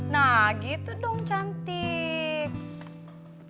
nah gitu dong cantik